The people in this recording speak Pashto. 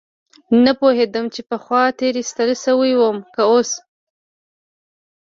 نه پوهېدم چې پخوا تېر ايستل سوى وم که اوس.